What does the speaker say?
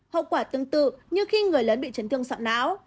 hậu quả tương tự như khi người lớn bị chấn thương sọn não